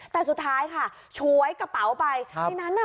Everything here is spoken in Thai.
แต่สุดท้ายค่ะฉวยกระเป๋าไปครับในนั้นน่ะ